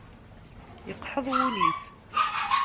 Yeqḥeḍ wul-is.